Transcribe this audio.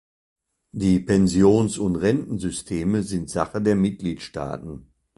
Die Pensions- und Rentensysteme sind Sache der Mitgliedstaaten.